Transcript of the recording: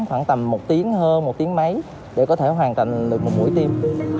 khoảng tầm một tiếng hơn một tiếng mấy để có thể hoàn thành được một mũi tim